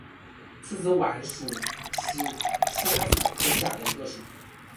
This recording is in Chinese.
刺子莞属是莎草科下的一个属。